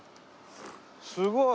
すごい！